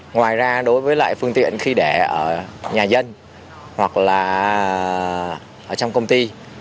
ngoài ra đối với lại phương tiện khi để ở nhà dân hoặc là ở trong công ty